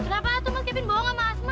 kenapa tuh mas kevin bohong sama asma